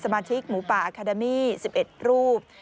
สมาธิกษ์หมู่ป่าอาคาดามี๑๑รูป